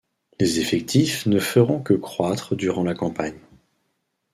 Les effectifs ne feront que croître durant la campagne.